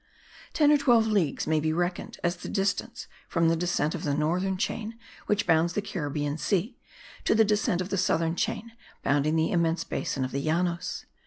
Ten or twelve leagues may be reckoned as the distance from the descent of the northern chain which bounds the Caribbean Sea, to the descent of the southern chain bounding the immense basin of the Llanos.